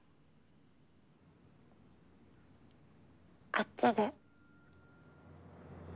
あっちで。